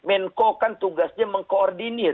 menko kan tugasnya mengkoordinir